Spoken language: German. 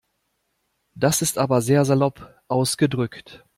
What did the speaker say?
Das ist aber sehr salopp ausgedrückt.